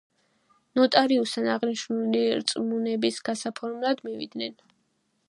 ნოტარიუსთან, აღნიშნული რწმუნების გასაფორმებლად მივიდნენ.